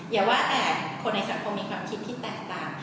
อย่าว่าแต่คนในสังคมมีความคิดที่แตกต่าง